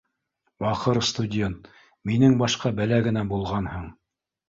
Бахыр студент, минең башҡа бәлә генә булғанһың